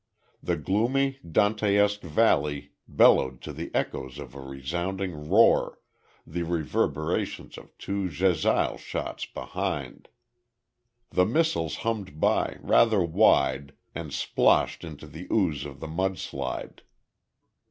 The gloomy, Dantesque valley bellowed to the echoes of a resounding roar, the reverberations of two jezail shots behind. The missiles hummed by, rather wide, and sploshed into the ooze of the mud slide.